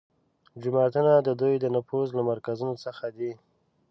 جوماتونه د دوی د نفوذ له مرکزونو څخه دي